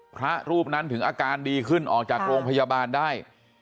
พระรูปนั้นถึงอาการดีขึ้นออกจากโรงพยาบาลได้